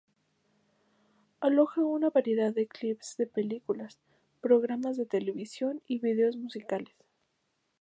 Aloja una variedad de clips de películas, programas de televisión y vídeos musicales.